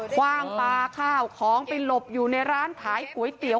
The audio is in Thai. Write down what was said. คว่างปลาข้าวของไปหลบอยู่ในร้านขายก๋วยเตี๋ย